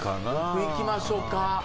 僕いきましょうか。